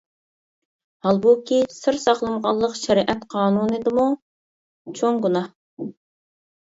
ھالبۇكى، سىر ساقلىمىغانلىق شەرىئەت قانۇنىدىمۇ چوڭ گۇناھ.